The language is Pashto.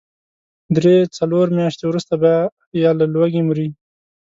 درې، څلور مياشتې وروسته به يا له لوږې مري.